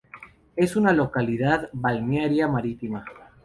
Es una localidad balnearia marítima.